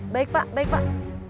baik pak baik pak